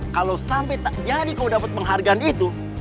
kalo sampe tak jadi kau dapet penghargaan itu